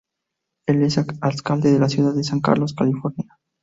Es el ex-alcalde de la ciudad de San Carlos, California.